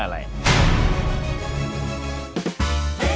สลี่